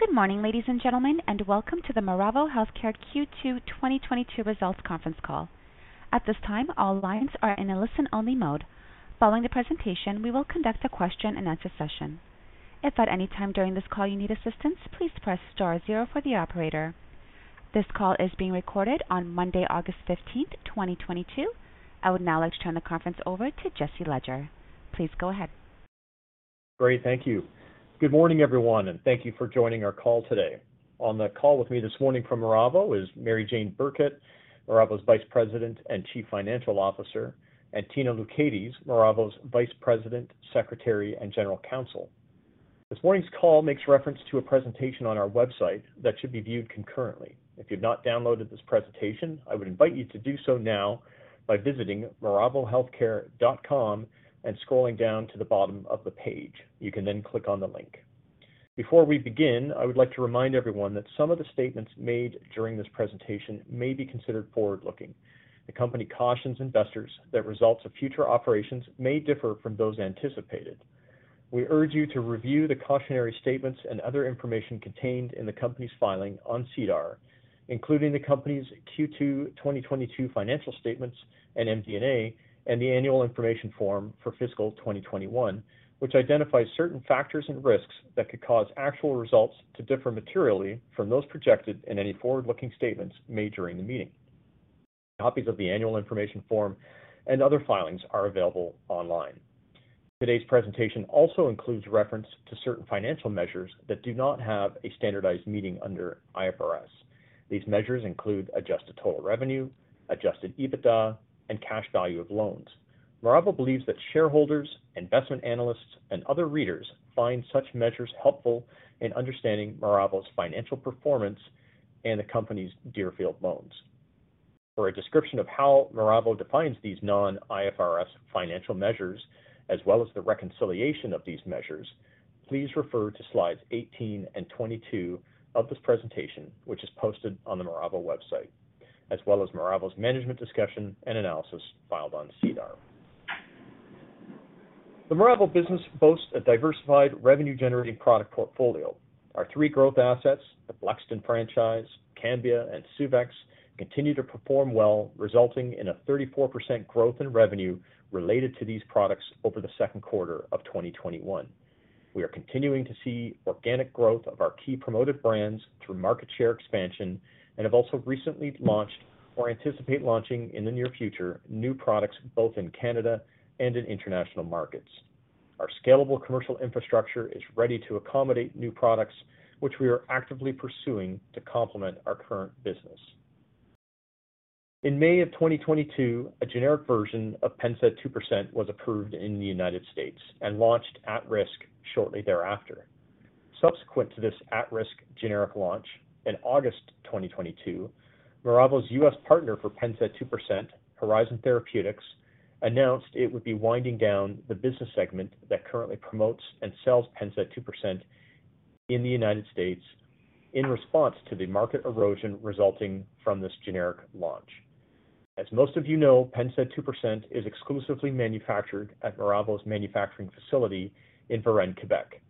Good morning, ladies and gentlemen, and welcome to the Miravo Healthcare Q2 2022 Results Conference Call. At this time, all lines are in a listen-only mode. Following the presentation, we will conduct a question-and-answer session. If at any time during this call you need assistance, please press star zero for the operator. This call is being recorded on Monday, August fifteenth, twenty twenty-two. I would now like to turn the conference over to Jesse Ledger. Please go ahead. Great. Thank you. Good morning, everyone, and thank you for joining our call today. On the call with me this morning from Miravo is Mary-Jane Burkett, Miravo's Vice President and Chief Financial Officer, and Katina Loucaides, Miravo's Vice President, Secretary, and General Counsel. This morning's call makes reference to a presentation on our website that should be viewed concurrently. If you've not downloaded this presentation, I would invite you to do so now by visiting miravohealthcare.com and scrolling down to the bottom of the page. You can then click on the link. Before we begin, I would like to remind everyone that some of the statements made during this presentation may be considered forward-looking. The company cautions investors that results of future operations may differ from those anticipated. We urge you to review the cautionary statements and other information contained in the company's filing on SEDAR, including the company's Q2 2022 financial statements and MD&A, and the annual information form for fiscal 2021, which identifies certain factors and risks that could cause actual results to differ materially from those projected in any forward-looking statements made during the meeting. Copies of the annual information form and other filings are available online. Today's presentation also includes reference to certain financial measures that do not have a standardized meaning under IFRS. These measures include adjusted total revenue, adjusted EBITDA, and cash value of loans. Miravo believes that shareholders, investment analysts, and other readers find such measures helpful in understanding Miravo's financial performance and the company's Deerfield loans. For a description of how Miravo defines these non-IFRS financial measures as well as the reconciliation of these measures, please refer to slides 18 and 22 of this presentation, which is posted on the Miravo website, as well as Miravo's management discussion and analysis filed on SEDAR. The Miravo business boasts a diversified revenue-generating product portfolio. Our three growth assets, the Blexten franchise, Cambia, and Suvexx, continue to perform well, resulting in a 34% growth in revenue related to these products over the second quarter of 2021. We are continuing to see organic growth of our key promoted brands through market share expansion and have also recently launched or anticipate launching in the near future new products both in Canada and in international markets. Our scalable commercial infrastructure is ready to accommodate new products, which we are actively pursuing to complement our current business. In May of 2022, a generic version of Pennsaid 2% was approved in the United States and launched at-risk shortly thereafter. Subsequent to this at-risk generic launch, in August 2022, Miravo's US partner for Pennsaid 2%, Horizon Therapeutics, announced it would be winding down the business segment that currently promotes and sells Pennsaid 2% in the United States in response to the market erosion resulting from this generic launch. As most of you know, Pennsaid 2% is exclusively manufactured at Miravo's manufacturing facility in Varennes, Quebec.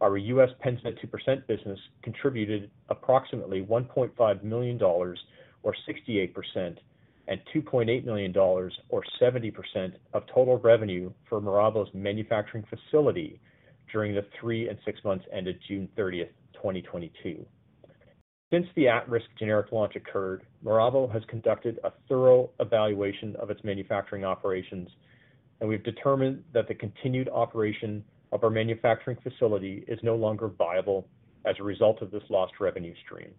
Our US Pennsaid 2% business contributed approximately $1.5 million, or 68%, and $2.8 million, or 70%, of total revenue for Miravo's manufacturing facility during the three and six months ended June 30, 2022. Since the at-risk generic launch occurred, Miravo has conducted a thorough evaluation of its manufacturing operations, and we've determined that the continued operation of our manufacturing facility is no longer viable as a result of this lost revenue stream.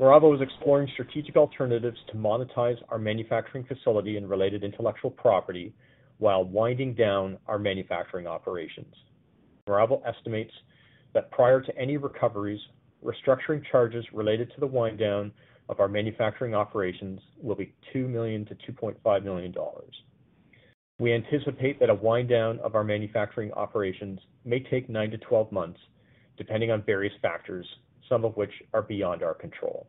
Miravo is exploring strategic alternatives to monetize our manufacturing facility and related intellectual property while winding down our manufacturing operations. Miravo estimates that prior to any recoveries, restructuring charges related to the wind down of our manufacturing operations will be 2 million-2.5 million dollars. We anticipate that a wind down of our manufacturing operations may take nine to 12 months, depending on various factors, some of which are beyond our control.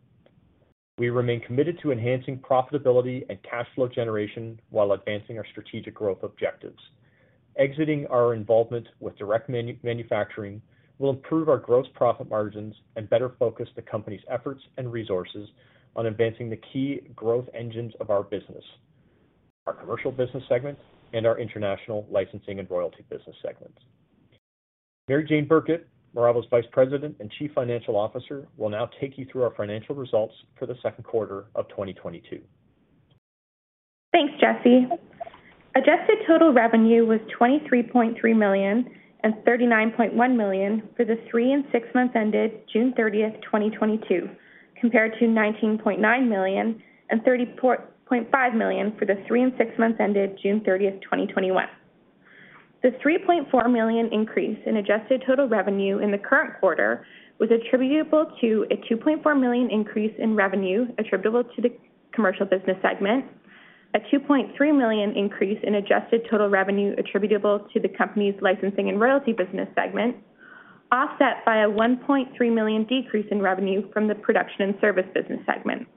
We remain committed to enhancing profitability and cash flow generation while advancing our strategic growth objectives. Exiting our involvement with direct manufacturing will improve our gross profit margins and better focus the company's efforts and resources on advancing the key growth engines of our business, our commercial business segment, and our international licensing and royalty business segments. Mary-Jane Burkett, Miravo's Vice President and Chief Financial Officer, will now take you through our financial results for the second quarter of 2022. Thanks, Jesse. Adjusted total revenue was 23.3 million and 39.1 million for the three and six months ended June 30, 2022, compared to 19.9 million and 34.5 million for the three and six months ended June 30, 2021. The 3.4 million increase in adjusted total revenue in the current quarter was attributable to a 2.4 million increase in revenue attributable to the commercial business segment, a 2.3 million increase in adjusted total revenue attributable to the company's licensing and royalty business segment, offset by a 1.3 million decrease in revenue from the production and service business segment.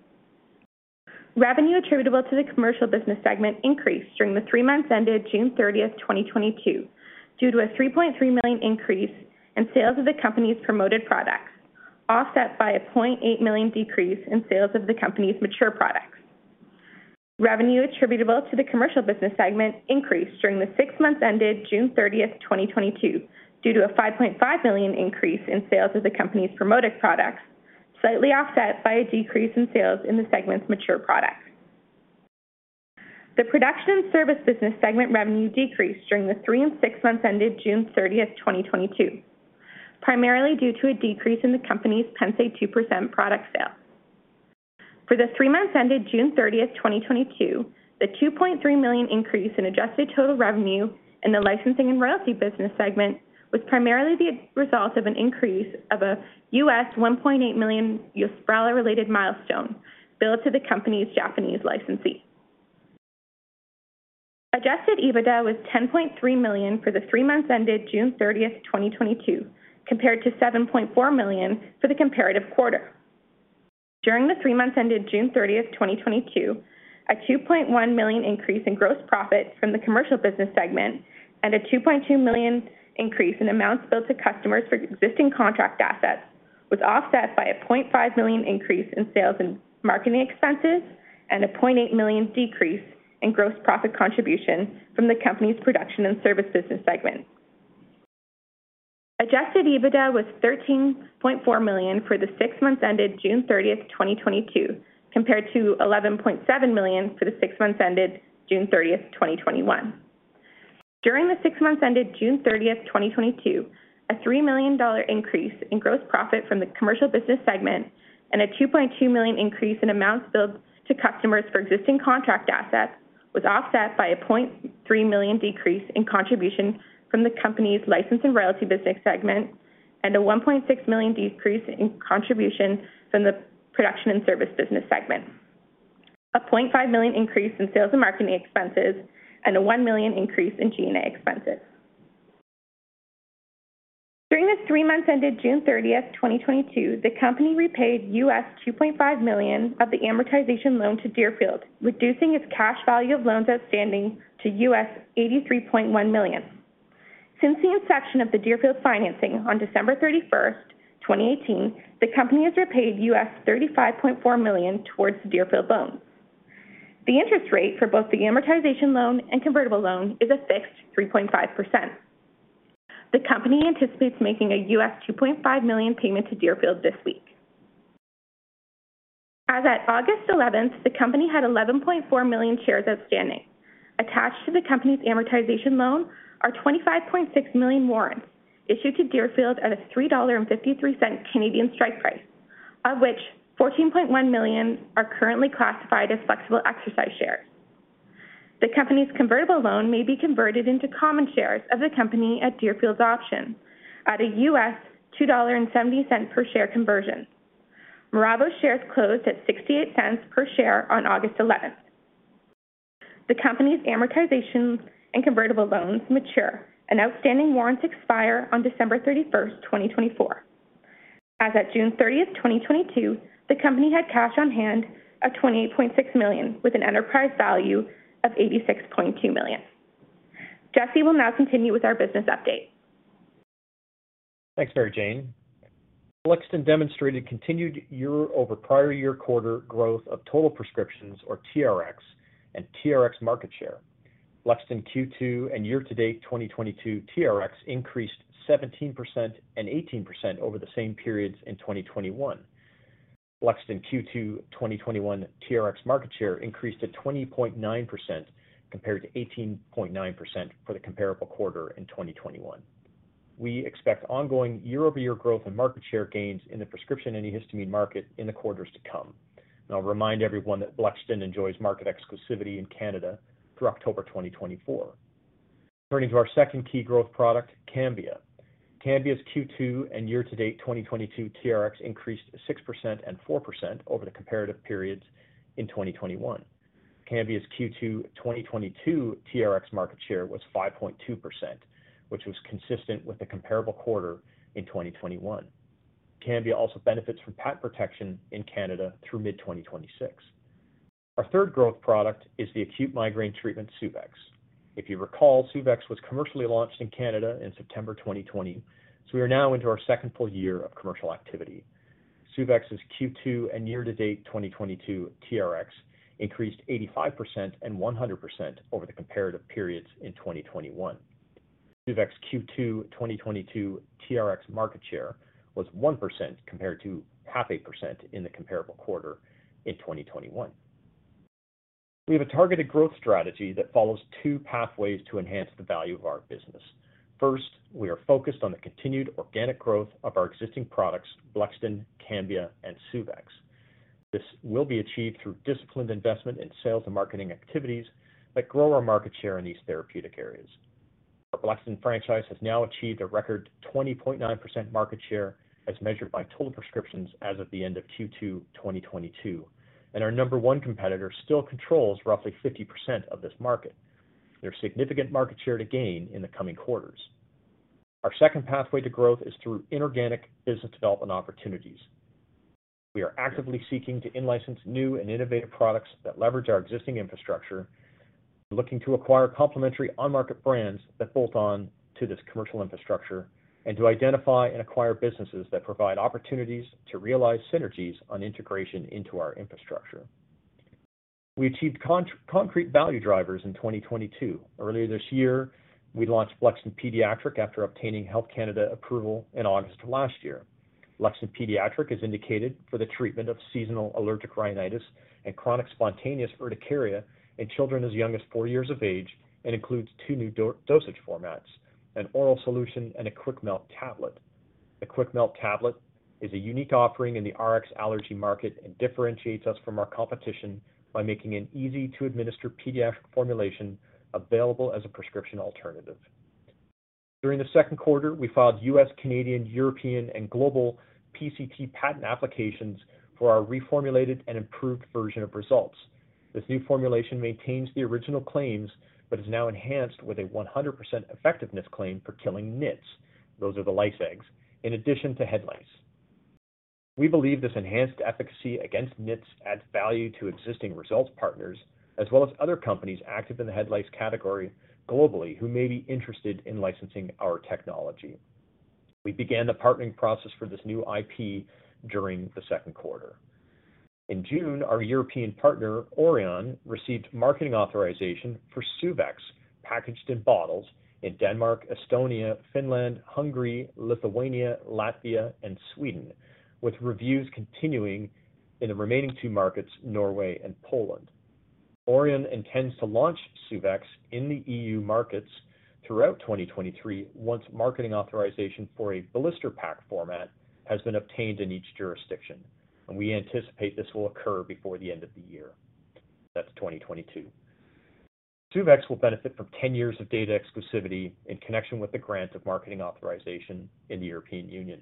Revenue attributable to the commercial business segment increased during the three months ended June 30, 2022, due to a 3.3 million increase in sales of the company's promoted products, offset by a 0.8 million decrease in sales of the company's mature products. Revenue attributable to the commercial business segment increased during the six months ended June 30, 2022 due to a 5.5 million increase in sales of the company's promoted products, slightly offset by a decrease in sales in the segment's mature products. The production and service business segment revenue decreased during the three and six months ended June 30, 2022, primarily due to a decrease in the company's Pennsaid 2% product sales. For the three months ended June 30, 2022, the 2.3 million increase in adjusted total revenue in the licensing and royalty business segment was primarily the result of an increase of a $1.8 million Yosprala-related milestone billed to the company's Japanese licensee. Adjusted EBITDA was 10.3 million for the three months ended June 30, 2022, compared to 7.4 million for the comparative quarter. During the three months ended June 30, 2022, a CAD 2.1 million increase in gross profit from the commercial business segment and a CAD 2.2 million increase in amounts billed to customers for existing contract assets was offset by a CAD 0.5 million increase in sales and marketing expenses and a CAD 0.8 million decrease in gross profit contribution from the company's production and service business segment. Adjusted EBITDA was 13.4 million for the six months ended June 30, 2022, compared to 11.7 million for the six months ended June 30, 2021. During the six months ended June 30, 2022, a 3 million dollar increase in gross profit from the commercial business segment and a 2.2 million increase in amounts billed to customers for existing contract assets was offset by a 0.3 million decrease in contribution from the company's license and royalty business segment and a 1.6 million decrease in contribution from the production and service business segment, a 0.5 million increase in sales and marketing expenses, and a 1 million increase in G&A expenses. During the three months ended June 30, 2022, the company repaid $2.5 million of the amortization loan to Deerfield, reducing its cash value of loans outstanding to $83.1 million. Since the inception of the Deerfield financing on December 31, 2018, the company has repaid $35.4 million towards the Deerfield loan. The interest rate for both the amortization loan and convertible loan is a fixed 3.5%. The company anticipates making a $2.5 million payment to Deerfield this week. As at August 11, the company had 11.4 million shares outstanding. Attached to the company's amortization loan are 25.6 million warrants issued to Deerfield at a 3.53 Canadian dollars strike price, of which 14.1 million are currently classified as flexible exercise shares. The company's convertible loan may be converted into common shares of the company at Deerfield's option at a $2.70 per share conversion. Miravo shares closed at 0.68 per share on August 11. The company's amortization and convertible loans mature and outstanding warrants expire on December 31, 2024. As at June 30, 2022, the company had cash on hand of 28.6 million, with an enterprise value of 86.2 million. Jesse will now continue with our business update. Thanks, Mary-Jane. Blexten demonstrated continued year-over-year quarter growth of total prescriptions, or TRxs, and TRx market share. Blexten Q2 and year-to-date 2022 TRxs increased 17% and 18% over the same periods in 2021. Blexten Q2 2021 TRx market share increased to 20.9% compared to 18.9% for the comparable quarter in 2021. We expect ongoing year-over-year growth in market share gains in the prescription antihistamine market in the quarters to come. I'll remind everyone that Blexten enjoys market exclusivity in Canada through October 2024. Turning to our second key growth product, Cambia. Cambia's Q2 and year-to-date 2022 TRx increased 6% and 4% over the comparative periods in 2021. Cambia's Q2 2022 TRx market share was 5.2%, which was consistent with the comparable quarter in 2021. Cambia also benefits from patent protection in Canada through mid-2026. Our third growth product is the acute migraine treatment Suvexx. If you recall, Suvexx was commercially launched in Canada in September 2020, so we are now into our second full year of commercial activity. Suvexx's Q2 and year-to-date 2022 TRx increased 85% and 100% over the comparative periods in 2021. Suvexx Q2 2022 TRx market share was 1% compared to 0.5% in the comparable quarter in 2021. We have a targeted growth strategy that follows two pathways to enhance the value of our business. First, we are focused on the continued organic growth of our existing products, Blexten, Cambia, and Suvexx. This will be achieved through disciplined investment in sales and marketing activities that grow our market share in these therapeutic areas. Our Blexten franchise has now achieved a record 20.9% market share as measured by total prescriptions as of the end of Q2 2022, and our number one competitor still controls roughly 50% of this market. There's significant market share to gain in the coming quarters. Our second pathway to growth is through inorganic business development opportunities. We are actively seeking to in-license new and innovative products that leverage our existing infrastructure, looking to acquire complementary on-market brands that bolt on to this commercial infrastructure, and to identify and acquire businesses that provide opportunities to realize synergies on integration into our infrastructure. We achieved concrete value drivers in 2022. Earlier this year, we launched Blexten Pediatric after obtaining Health Canada approval in August of last year. Blexten Pediatric is indicated for the treatment of seasonal allergic rhinitis and chronic spontaneous urticaria in children as young as four years of age and includes two new dosage formats, an oral solution and a quick melt tablet. The quick melt tablet is a unique offering in the RX allergy market and differentiates us from our competition by making an easy-to-administer pediatric formulation available as a prescription alternative. During the second quarter, we filed US, Canadian, European, and global PCT patent applications for our reformulated and improved version of Resultz. This new formulation maintains the original claims, but is now enhanced with a 100% effectiveness claim for killing nits, those are the lice eggs, in addition to head lice. We believe this enhanced efficacy against nits adds value to existing results partners, as well as other companies active in the head lice category globally who may be interested in licensing our technology. We began the partnering process for this new IP during the second quarter. In June, our European partner, Orion, received marketing authorization for Suvexx packaged in bottles in Denmark, Estonia, Finland, Hungary, Lithuania, Latvia, and Sweden, with reviews continuing in the remaining two markets, Norway and Poland. Orion intends to launch Suvexx in the EU markets throughout 2023 once marketing authorization for a blister pack format has been obtained in each jurisdiction. We anticipate this will occur before the end of the year. That's 2022. Suvexx will benefit from 10 years of data exclusivity in connection with the grant of marketing authorization in the European Union.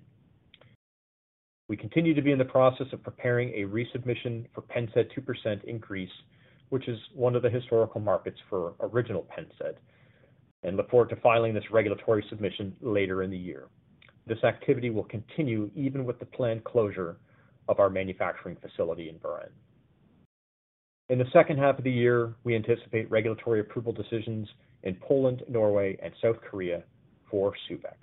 We continue to be in the process of preparing a resubmission for Pennsaid 2% in Greece, which is one of the historical markets for original Pennsaid, and look forward to filing this regulatory submission later in the year. This activity will continue even with the planned closure of our manufacturing facility in Varennes. In the second half of the year, we anticipate regulatory approval decisions in Poland, Norway, and South Korea for Suvexx.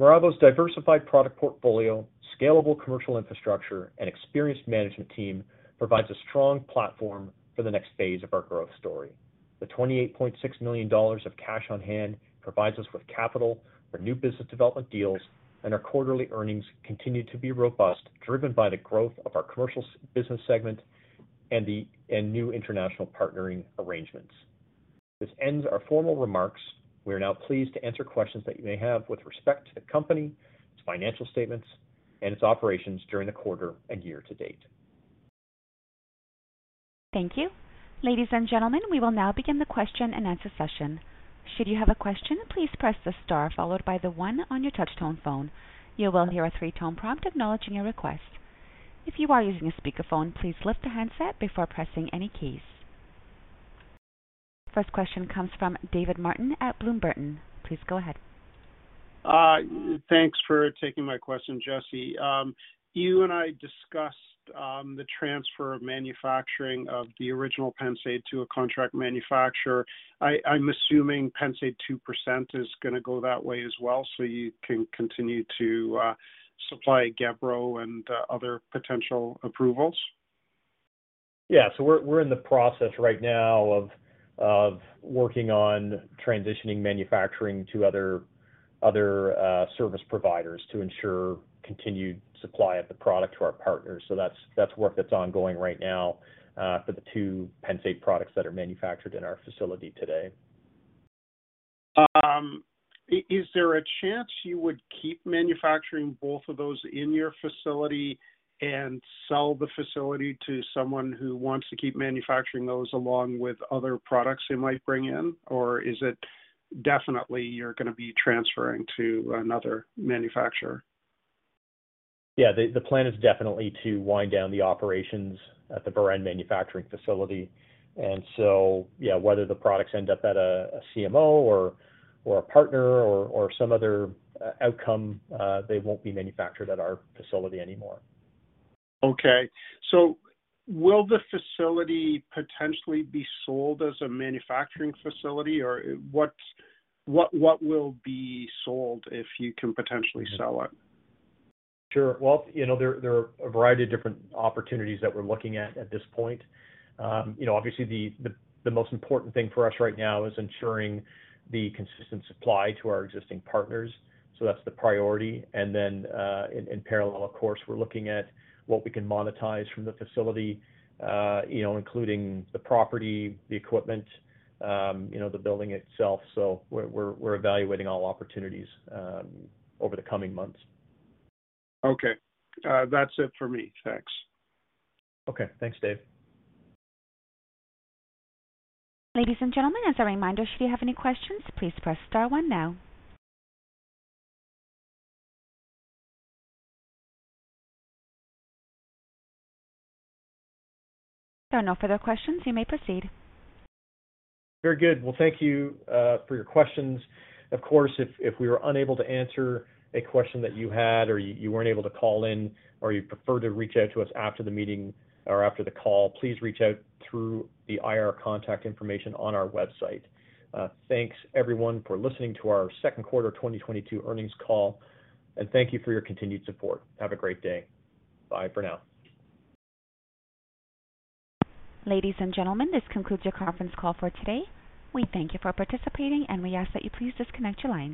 Miravo's diversified product portfolio, scalable commercial infrastructure, and experienced management team provides a strong platform for the next phase of our growth story. The 28.6 million dollars of cash on hand provides us with capital for new business development deals, and our quarterly earnings continue to be robust, driven by the growth of our commercial business segment and new international partnering arrangements. This ends our formal remarks. We are now pleased to answer questions that you may have with respect to the company, its financial statements, and its operations during the quarter and year to date. Thank you. Ladies and gentlemen, we will now begin the question and answer session. Should you have a question, please press the star followed by the one on your touch tone phone. You will hear a three-tone prompt acknowledging your request. If you are using a speakerphone, please lift the handset before pressing any keys. First question comes from David Martin at Bloomberg. Please go ahead. Thanks for taking my question, Jesse. You and I discussed the transfer of manufacturing of the original Pennsaid to a contract manufacturer. I'm assuming Pennsaid 2% is gonna go that way as well, so you can continue to supply Gebro and other potential approvals. Yeah. We're in the process right now of working on transitioning manufacturing to other service providers to ensure continued supply of the product to our partners. That's work that's ongoing right now for the two Pennsaid products that are manufactured in our facility today. Is there a chance you would keep manufacturing both of those in your facility and sell the facility to someone who wants to keep manufacturing those along with other products they might bring in? Or is it definitely you're gonna be transferring to another manufacturer? Yeah. The plan is definitely to wind down the operations at the Varennes manufacturing facility. Yeah, whether the products end up at a CMO or a partner or some other outcome, they won't be manufactured at our facility anymore. Okay. Will the facility potentially be sold as a manufacturing facility? Or what will be sold, if you can potentially sell it? Sure. Well, you know, there are a variety of different opportunities that we're looking at at this point. You know, obviously the most important thing for us right now is ensuring the consistent supply to our existing partners. That's the priority. In parallel, of course, we're looking at what we can monetize from the facility, you know, including the property, the equipment, you know, the building itself. We're evaluating all opportunities over the coming months. Okay. That's it for me. Thanks. Okay. Thanks, David. Ladies and gentlemen, as a reminder, should you have any questions, please press star one now. There are no further questions. You may proceed. Very good. Well, thank you for your questions. Of course, if we were unable to answer a question that you had or you weren't able to call in or you'd prefer to reach out to us after the meeting or after the call, please reach out through the IR contact information on our website. Thanks everyone for listening to our second quarter 2022 earnings call. Thank you for your continued support. Have a great day. Bye for now. Ladies and gentlemen, this concludes your conference call for today. We thank you for participating, and we ask that you please disconnect your lines.